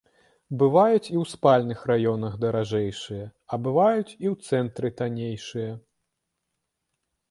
Бываюць і ў спальных раёнах даражэйшыя, а бываюць і ў цэнтры таннейшыя.